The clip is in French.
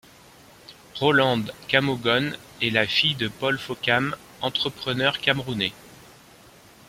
Rolande Kammogone est la fille de Paul Fokam, entrepreneur camerounais.